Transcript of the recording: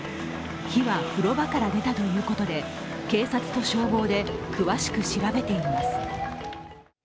火は風呂場から出たということで警察と消防で詳しく調べています。